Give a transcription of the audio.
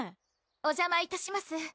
お邪魔いたします